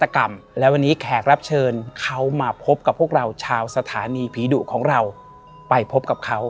กันเลยครับ